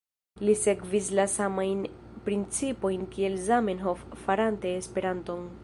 Li sekvis la samajn principojn kiel Zamenhof farante Esperanton.